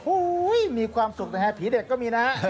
โอ๊ะมีความสุขแต่ภี่เด็กก็มีนะ